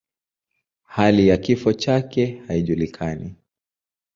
Hali ya kifo chake haijulikani.